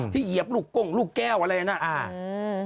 ที่เหยียบลูกก้งลูกแก้วอะไรอย่างนั้น